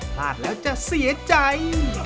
พลาดแล้วจะเสียใจ